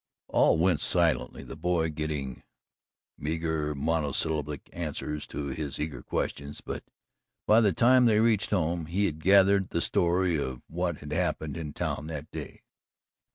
All went silently the boy getting meagre monosyllabic answers to his eager questions but, by the time they reached home, he had gathered the story of what had happened in town that day.